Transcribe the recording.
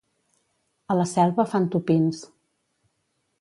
A la Selva fan tupins.